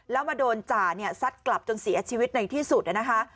แล้วมาโดนจ่าเนี่ยซัดกลับจนเสียชีวิตในที่สุดนะคะ